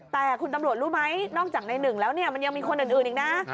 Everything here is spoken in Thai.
แต่คุณตำรวจรู้ไหมนอกจากในหนึ่งแล้วเนี่ยมันยังมีคนอื่นอีกนะ